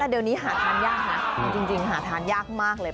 เดี๋ยวนี้หาทานยากนะจริงหาทานยากมากเลย